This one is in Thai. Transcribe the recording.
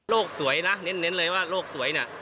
โลกสวยนะเน้นเลยว่าโลกสวย